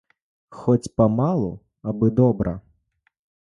Хоць памалу, абы добра